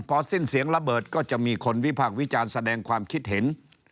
พอสิ้นเสียงระเบิดก็จะมีคนวิพากษ์วิจารณ์แสดงความคิดเห็น